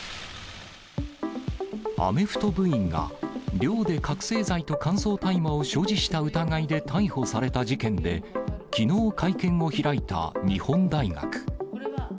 アメフト部員が、寮で覚醒剤と乾燥大麻を所持した疑いで逮捕された事件で、きのう会見を開いた日本大学。